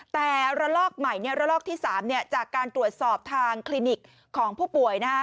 แต่ระลอก๓จากการตรวจสอบทางคลินิกของผู้ป่วย